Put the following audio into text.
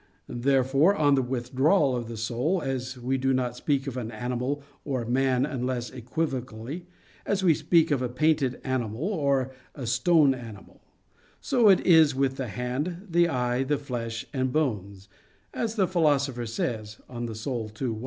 Therefore, on the withdrawal of the soul, as we do not speak of an animal or a man unless equivocally, as we speak of a painted animal or a stone animal; so is it with the hand, the eye, the flesh and bones, as the Philosopher says (De Anima ii, 1).